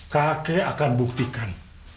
kakek akan buktikan